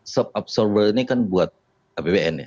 shock absorber ini kan buat apbn ya